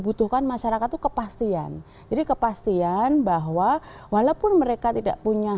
katakanlah kalau yang sudah sangat maju misalnya kita lihat jepang misalnya